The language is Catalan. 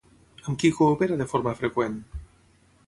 Amb qui coopera de forma freqüent?